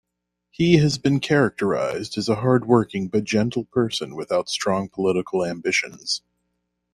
He has been characterized as a hard-working, but gentle person without strong political ambitions.